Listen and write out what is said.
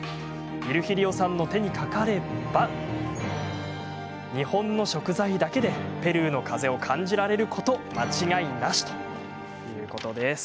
ヴィルヒリオさんの手にかかれば日本の食材だけでペルーの風を感じられること間違いなし！